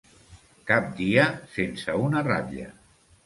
Cap dia sense una ratlla.